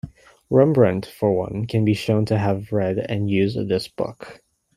Rembrandt for one can be shown to have read and used this book.